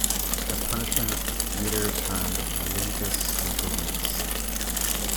As punishment, Demeter turned Lyncus into a lynx.